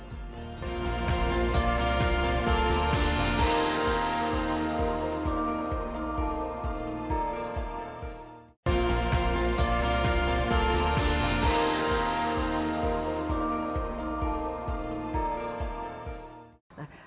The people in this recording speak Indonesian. nah kita akan lihat